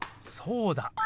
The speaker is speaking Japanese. そうだ。